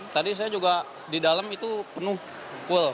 tadi saya juga di dalam itu penuh cool